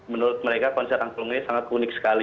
menurut mereka konser angklung ini sangat unik sekali